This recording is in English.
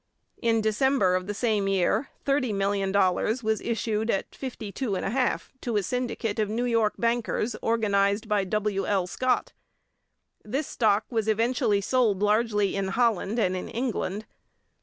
In December of the same year $30,000,000 was issued at 52 1/2 to a syndicate of New York bankers organized by W. L. Scott; this stock was eventually sold largely in Holland and in England.